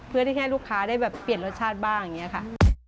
เพื่อที่ให้ลูกค้าได้แบบเปลี่ยนรสชาติบ้างอย่างนี้ค่ะ